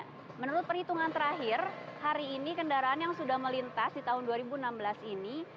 dan menurut perhitungan terakhir hari ini kendaraan yang sudah melintas di tahun dua ribu enam belas ini